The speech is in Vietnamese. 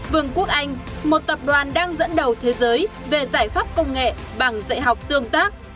vương quốc anh một tập đoàn đang dẫn đầu thế giới về giải pháp công nghệ bằng dạy học tương tác